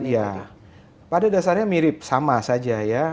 ya pada dasarnya mirip sama saja ya